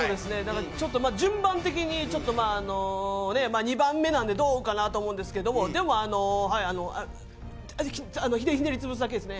順番的に２番目なんで、どうかなと思うんですが、ひねり潰すだけですね。